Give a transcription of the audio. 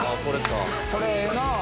これええなあ。